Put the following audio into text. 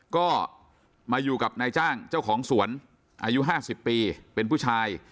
ก็มาอยู่กับนายจ้างเจ้าของสวนอายุ๕๐ปีเป็นผู้ชาย